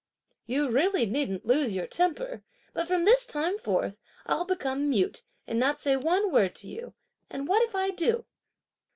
"You really needn't lose your temper! but from this time forth, I'll become mute, and not say one word to you; and what if I do?"